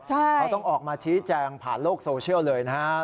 เขาต้องออกมาชี้แจงผ่านโลกโซเชียลเลยนะครับ